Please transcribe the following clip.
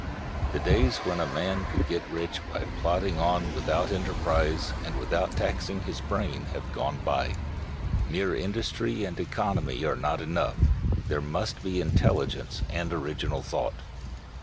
The days when a man could get rich by plodding on without enterprise and without taxing his brains have gone by. Mere industry and economy are not enough; there must be intelligence and original thought.